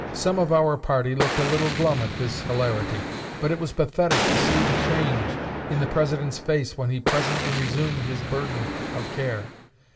Some of our party looked a little glum at this hilarity; but it was pathetic to see the change in the President's face when he presently resumed his burden of care.